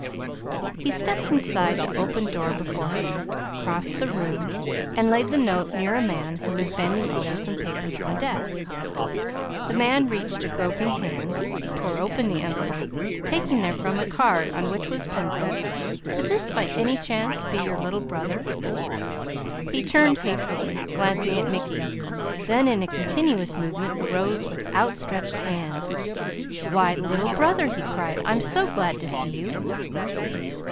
He stepped inside the open door before him, crossed the room and laid the note near a man who was bending over some papers on a desk. The man reached a groping hand, tore open the envelope, taking therefrom a card on which was pencilled: "Could this by any chance be your Little Brother?" He turned hastily, glancing at Mickey, then in a continuous movement arose with outstretched hand. "Why Little Brother," he cried, "I'm so glad to see you!"